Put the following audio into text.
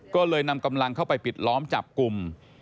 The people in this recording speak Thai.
ก็เลยนำกำลังเข้าไปปิดล้อมจับกลุ่ม